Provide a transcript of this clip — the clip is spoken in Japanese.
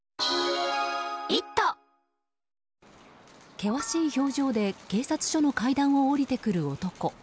険しい表情で警察署の階段を下りてくる男。